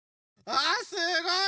あすごい！